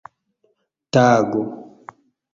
tago